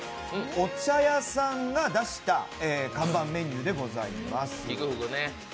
お茶屋さんが出した看板メニューでございます。